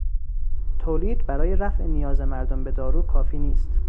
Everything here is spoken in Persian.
تولید برای رفع نیاز مردم به دارو کافی نیست.